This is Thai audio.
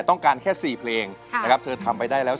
ต้องการแค่๔เพลงนะครับเธอทำไปได้แล้ว